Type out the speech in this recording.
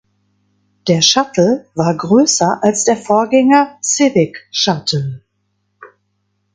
Der Shuttle war größer als der Vorgänger Civic Shuttle.